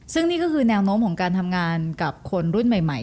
ซึ่งนี่ก็คือแนวโน้มของการทำงานกับคนรุ่นใหม่